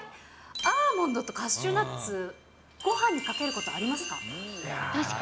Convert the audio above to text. アーモンドとカシューナッツ、ごはんにかけることありますか？